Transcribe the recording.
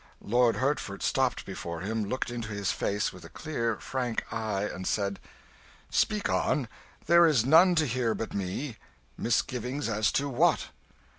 Lord Hertford stopped before him, looked into his face with a clear, frank eye, and said "Speak on there is none to hear but me. Misgivings as to what?"